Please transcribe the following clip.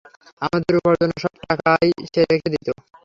আমাদের উপার্জনের সব টাকাই সে রেখে দিত।